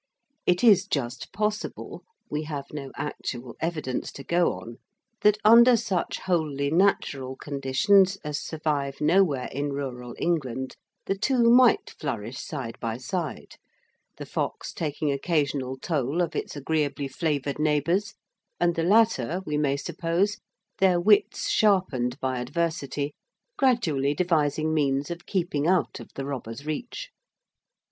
It is just possible we have no actual evidence to go on that under such wholly natural conditions as survive nowhere in rural England the two might flourish side by side, the fox taking occasional toll of its agreeably flavoured neighbours, and the latter, we may suppose, their wits sharpened by adversity, gradually devising means of keeping out of the robber's reach.